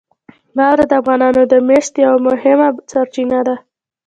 واوره د افغانانو د معیشت یوه مهمه سرچینه ده.